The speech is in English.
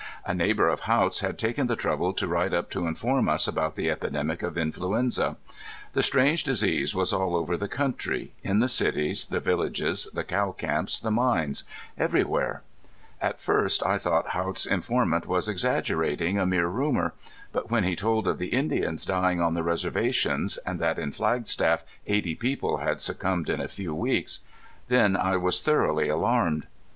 A neighbor of Haught's had taken the trouble to ride up to inform us about the epidemic of influenza. The strange disease was all over the country, in the cities, the villages, the cow camps, the mines everywhere. At first I thought Haught's informant was exaggerating a mere rumor. But when he told of the Indians dying on the reservations, and that in Flagstaff eighty people had succumbed in a few weeks then I was thoroughly alarmed.